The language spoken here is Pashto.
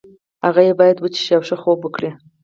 هغه باید وڅښي او ښه خوب وکړي.